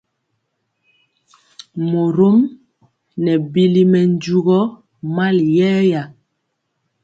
Morɔm nɛ bili mɛ njugɔ mali yɛɛya.